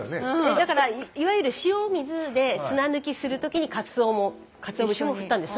だからいわゆる塩水で砂抜きする時にかつお節も振ったんです。